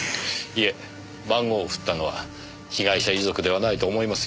いえ番号を振ったのは被害者遺族ではないと思いますよ。